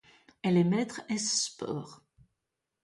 Elle est maître ès sports.